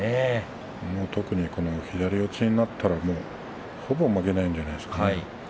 特に、左四つになったらほぼ負けないんじゃないですか。